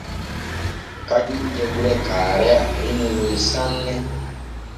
Kajuuje gure Kaareya rimu nun sanne.